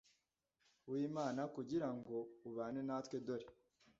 w'imana, kugira ngo ubane natwe dore